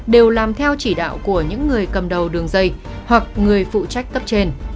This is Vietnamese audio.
đều làm theo chỉ đạo của những người cầm đầu đường dây hoặc người phụ trách cấp trên